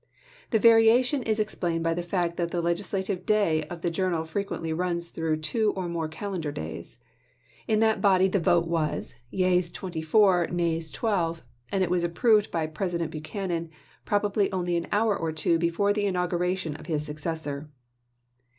The variation is ex plained by the fact that the legislative day of the journal frequently runs through two or more cal endar days. In that body the vote was, yeas 24, P. 1403. 236 ABRAHAM LINCOLN chap. xv. nays 12, and it was approved by President Buch anan, probably only an hour or two before the inauguration of his successor.